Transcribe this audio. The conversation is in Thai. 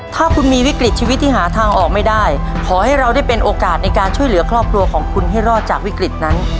ถ้าคุณมีวิกฤตชีวิตที่หาทางออกไม่ได้ขอให้เราได้เป็นโอกาสในการช่วยเหลือครอบครัวของคุณให้รอดจากวิกฤตนั้น